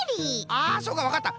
あそうかわかった！